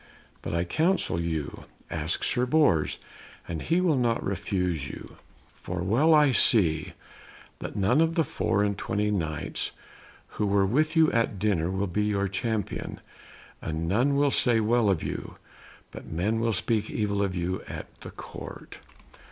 But I counsel you, ask Sir Bors, and he will not refuse you. For well I see that none of the four and twenty Knights who were with you at dinner will be your champion, and none will say well of you, but men will speak evil of you at the Court."